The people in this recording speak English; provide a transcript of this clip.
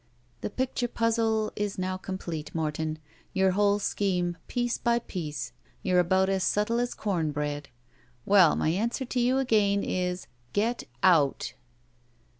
*'The picture puzzle is now complete, Morton. Your whole scheme, piece by piece. You're about as subtle as com bread. Well, my answer to you again is, 'Get out!'"